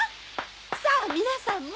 さぁみなさんも！